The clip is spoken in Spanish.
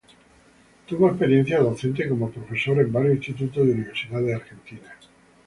Tuvo experiencia docente como profesor en varios institutos y universidades argentinas.